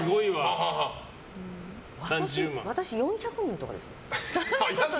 私４００人とかですよ。